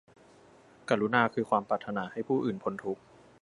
กรุณาคือความปรารถนาให้ผู้อื่นพ้นทุกข์